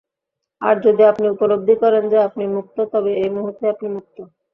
আর যদি আপনি উপলব্ধি করেন যে আপনি মুক্ত, তবে এই মুহূর্তেই আপনি মুক্ত।